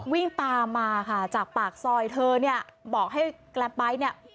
วิ่งตามมาค่ะจากปากซอยเธอเนี่ยบอกให้แกรปไบท์เนี่ย